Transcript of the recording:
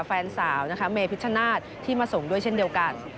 แฟนสาวเมย์พิชชะนาฏที่มาส่งด้วยเช่นเดียวกัน